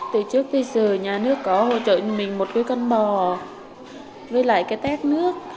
từ trước tới giờ nhà nước có hỗ trợ cho mình một cái con bò với lại cái tét nước